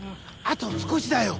あと少しだよ！